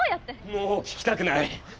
もう聞きたくない。